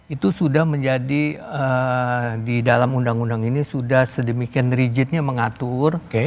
itu sudah menjadi di dalam undang undang ini sudah sedemikian rigidnya mengatur